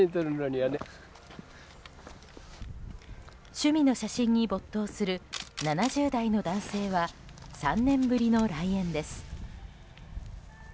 趣味の写真に没頭する７０代の男性は３年ぶりの来園です。